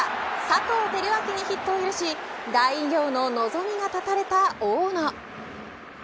佐藤輝明にヒットを許し大偉業の望みが絶たれた大野。